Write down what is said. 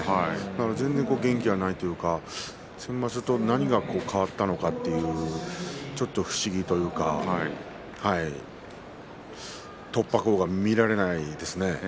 全然元気がないというか先場所と何が変わったのかちょっと不思議というか突破口が見られないですね。